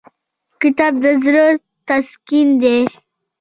کتاب د زړه تسکین دی.